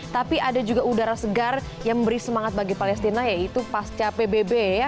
tapi ada juga udara segar yang memberi semangat bagi palestina yaitu pasca pbb ya